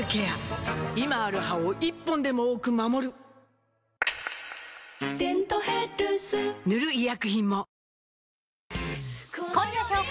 今ある歯を１本でも多く守る「デントヘルス」塗る医薬品も